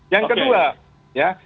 yang kedua ya